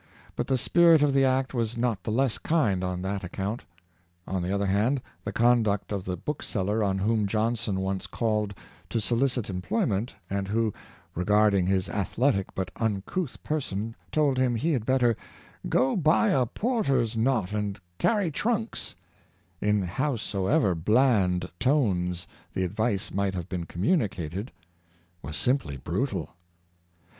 But the spirit of the act was not the less kind on that ac count. On the other hand, the conduct of the book seller on whom Johnson once called to solicit employ ment, and who, regarding his athletic but uncouth per son, told him he had better " go buy a porter's knot and carry trunks, " in howsoever bland tones the ad vice might have been communicated, was simply brutal.